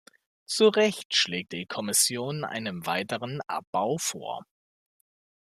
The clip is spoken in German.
Zu Recht schlägt die Kommission einen weiteren Abbau vor.